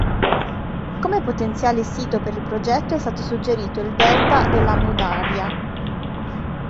Come potenziale sito per il progetto è stato suggerito il delta dell'Amu-Darya.